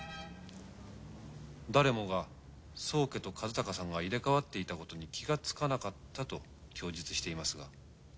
誰もが宗家と和鷹さんが入れかわっていたことに気がつかなかったと供述していますが。